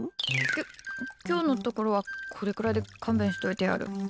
きょ、今日のところはこれくらいで勘弁しといてやる。